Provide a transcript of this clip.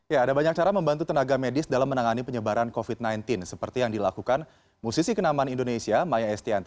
ya ada banyak cara membantu tenaga medis dalam menangani penyebaran covid sembilan belas seperti yang dilakukan musisi kenaman indonesia maya estianti